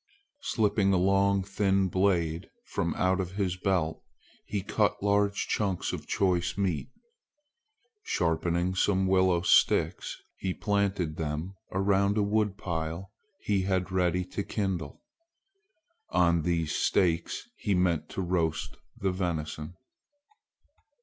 Slipping a long thin blade from out his belt, he cut large chunks of choice meat. Sharpening some willow sticks, he planted them around a wood pile he had ready to kindle. On these stakes he meant to roast the venison.